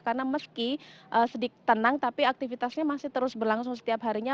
karena meski sedik tenang tapi aktivitasnya masih terus berlangsung setiap harinya